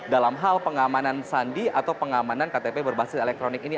dalam hal pengamanan sandi atau pengamanan ktp berbasis elektronik ini